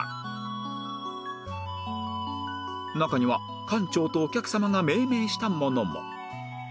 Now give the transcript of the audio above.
中には館長とお客様が命名したものも